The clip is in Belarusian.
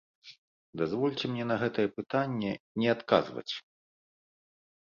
Дазвольце мне на гэтае пытанне не адказваць.